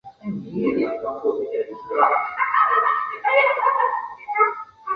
这个音标系统是由提比哩亚的马所拉学士发展成的。